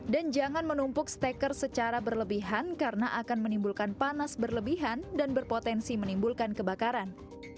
dan jangan menumpuk steker secara berlebihan karena akan menimbulkan panas berlebihan dan berpotensi menimbulkan kebakaran